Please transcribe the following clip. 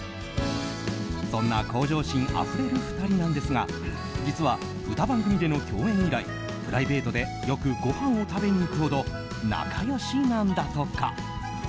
そんな向上心あふれる２人なんですが実は歌番組での共演以来プライベートでよくごはんを食べに行くほど仲良しなんだとか。